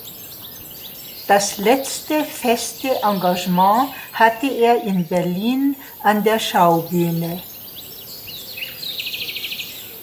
Das letzte feste Engagement hatte er in Berlin an der Schaubühne.